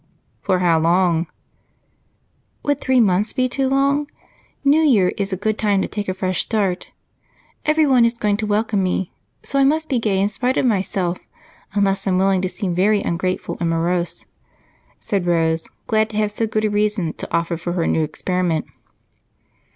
"For how long?" "Would three months be too long? New Year is a good time to take a fresh start. Everyone is going to welcome me, so I must be gay in spite of myself, unless I'm willing to seem very ungrateful and morose," said Rose, glad to have so good a reason to offer for her new experiment.